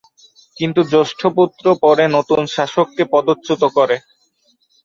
কিন্তু জ্যেষ্ঠ পুত্র পরে নতুন শাসককে পদচ্যুত করে।